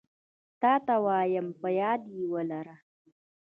تاته وايم په ياد يي ولره